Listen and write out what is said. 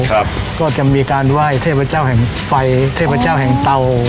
ครับก็จะมีการไหว้เทพเจ้าแห่งไฟเทพเจ้าแห่งเตา